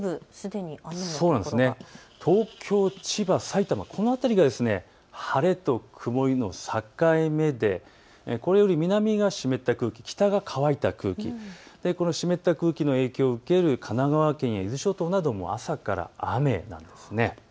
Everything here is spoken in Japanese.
東京、千葉、埼玉、この辺りが晴れと曇りの境目でこれより南が湿った空気が乾いた空気、この湿った空気の影響を受ける神奈川県や伊豆諸島は朝から雨なんです。